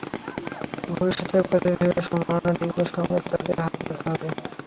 ভবিষ্যতের কথা ভেবে সমমনা দেশগুলোর সঙ্গে তাদের হাতে হাত মেলাতে হবে।